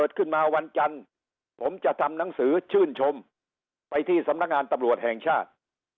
ขึ้นมาวันจันทร์ผมจะทำหนังสือชื่นชมไปที่สำนักงานตำรวจแห่งชาติ